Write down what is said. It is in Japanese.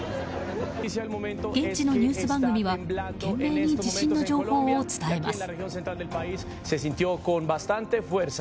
現地のニュース番組は懸命に地震の情報を伝えます。